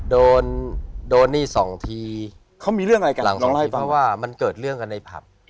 โดนโดนนี่สองทีเขามีเรื่องอะไรกันหลังต้องเล่าให้ฟังว่ามันเกิดเรื่องกันในผับ